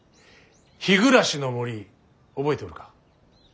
日暮らしの森覚えておるか。